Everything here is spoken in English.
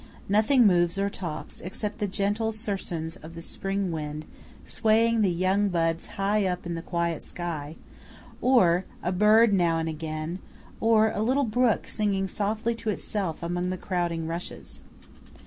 Nothing moves or talks, except the gentle susurrus of the spring wind swaying the young buds high up in the quiet sky, or a bird now and again, or a little brook singing softly to itself among the crowding rushes.